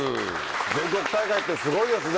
全国大会って、すごいよね。